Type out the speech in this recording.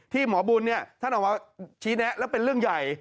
หมอบุญท่านออกมาชี้แนะแล้วเป็นเรื่องใหญ่